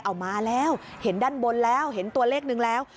เอามาแล้วเห็นด้านบนแล้วเห็นตัวเลขหนึ่งแล้ว